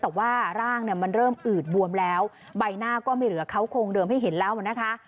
แต่ว่าร่างเนี่ยมันเริ่มอืดบวมแล้วใบหน้าก็ไม่เหลือเขาโครงเดิมให้เห็นแล้วนะคะ